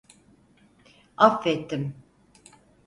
Affettim.